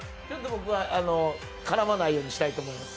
僕は絡まないようにしたいと思います。